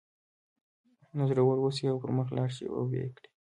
نو زړور اوسئ او پر مخ لاړ شئ او ویې کړئ